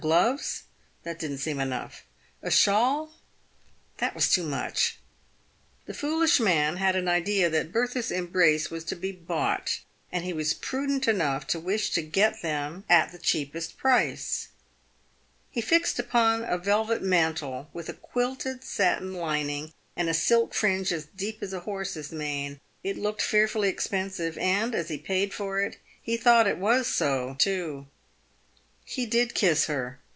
Gloves ? That didn't seem enough. A shawl ? That was too much. The foolish man had an idea that Bertha's embrace was to be bought, and he was prudent enough to wish to get them at the cheapest price. He fixed upon a velvet mantle with a quilted satin lining and a silk fringe as deep as a horse's mane. It looked fearfully expensive, and, as he paid for it, he thought it was so, too. He did kiss her.